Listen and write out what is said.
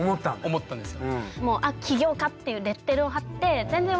思ったんですよ。